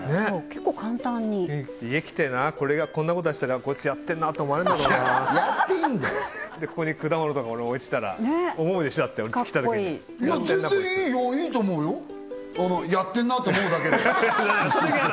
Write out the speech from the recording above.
結構簡単に家来てなこれがこんなことなってたらこいつやってんなと思われんだろうなやっていいんだよでここに果物とか俺置いてたら思うでしょうち来たときに全然いいよいいと思うよやってんなと思うだけでそれがや